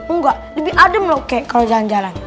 enggak lebih adem loh kayak kalau jalan jalan